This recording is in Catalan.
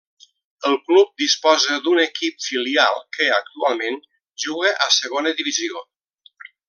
El club disposa d'un equip filial que, actualment, juga a Segona Divisió.